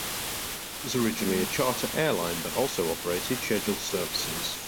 It was originally a charter airline, but also operated scheduled services.